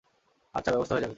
আচ্ছা, ব্যবস্থা হয়ে যাবে?